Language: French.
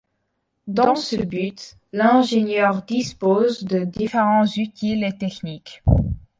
Dans ce but, l’ingénieur dispose de différents outils et techniques.